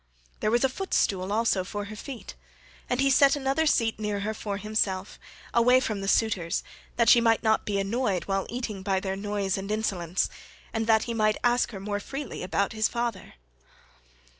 There was a footstool also for her feet,2 and he set another seat near her for himself, away from the suitors, that she might not be annoyed while eating by their noise and insolence, and that he might ask her more freely about his father.